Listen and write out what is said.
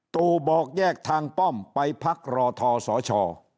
ตู่บอกแยกทางป้อมไปพักรอทอสช